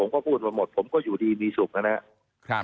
ก็พูดมาหมดผมก็อยู่ดีมีสุขนะครับ